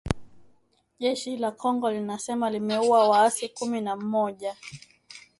Jeshi la Kongo linasema limeua waasi kumi na mmoja